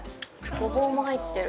ごぼうも入ってる。